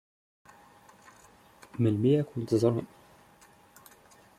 Melmi ad kent-ẓṛen?